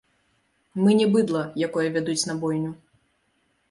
Мы не быдла, якое вядуць на бойню.